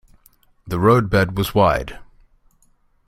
The roadbed was wide.